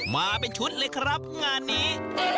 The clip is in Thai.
มาเป็นชุดเลยครับงานนี้